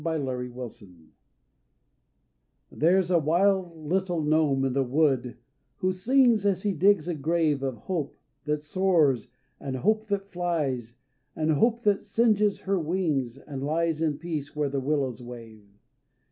THE GRAVE OF HOPE There's a wild little gnome in the wood Who sings as he digs a grave Of Hope that soars and Hope that flies And Hope that singes her wings, and lies In peace where the willows wave.